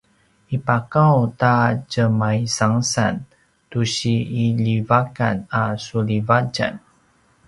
ipaqaung ta tjemaisangasan tusi iljivakan a suljivatjan